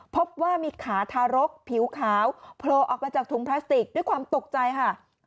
พบว่ามีขาทารกผิวขาวโผล่ออกมาจากถุงพลาสติกด้วยความตกใจค่ะ